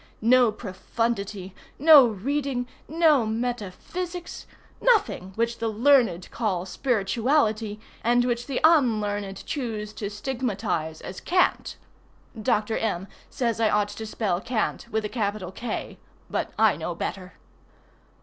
No profundity, no reading, no metaphysics—nothing which the learned call spirituality, and which the unlearned choose to stigmatize as cant. [Dr. M. says I ought to spell "cant" with a capital K—but I know better.